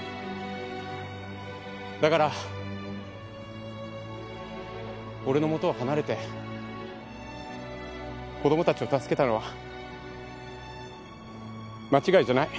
だから俺のもとを離れて子供たちを助けたのは間違いじゃない。